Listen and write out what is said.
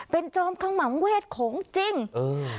เป็นจอมทั้งหม่ำเวทย์ของจริงเออ